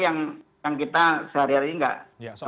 yang kita sehari hari enggak